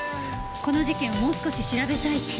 この事件をもう少し調べたいって。